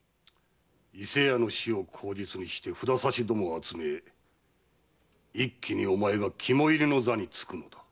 伊勢屋の死を口実にして札差どもを集め一気にお前が肝煎の座につくのだ。